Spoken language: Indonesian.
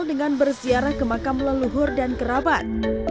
dengan berziarah ke makam leluhur dan kerabat